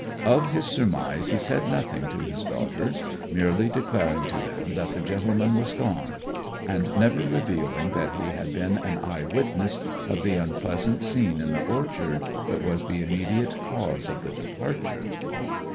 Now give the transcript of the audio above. Of his surmise he said nothing to his daughters, merely declaring to them that the gentleman was gone; and never revealing that he had been an eye witness of the unpleasant scene in the orchard that was the immediate cause of the departure.